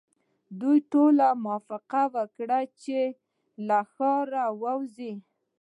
دوی ټولو موافقه وکړه چې له ښاره وځي.